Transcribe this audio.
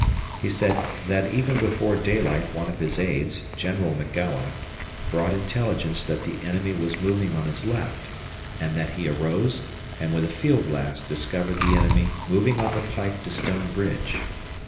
He said that before daylight one of his aides, General McGowan, brought intelligence that the enemy was moving on his left, and that he arose and with a field glass discovered the enemy moving on the pike to Stone Bridge.